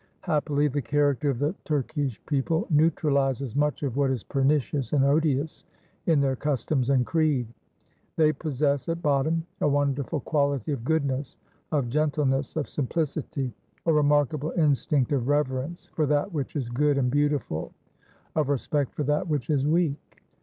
Happily, the character of the Turkish people neutralizes much of what is pernicious and odious in their customs and creed. They possess at bottom a wonderful quality of goodness, of gentleness, of simplicity, a remarkable instinct of reverence for that which is good and beautiful, of respect for that which is weak.